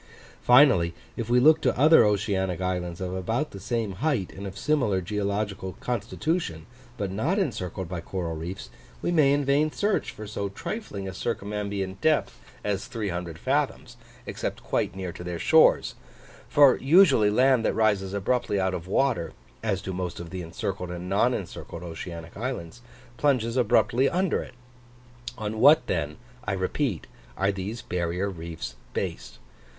Finally, if we look to other oceanic islands of about the same height and of similar geological constitution, but not encircled by coral reefs, we may in vain search for so trifling a circumambient depth as 30 fathoms, except quite near to their shores; for usually land that rises abruptly out of water, as do most of the encircled and non encircled oceanic islands, plunges abruptly under it. On what then, I repeat, are these barrier reefs based?